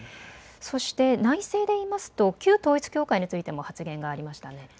そして、内政でいいますと、旧統一教会についても発言がありましたね。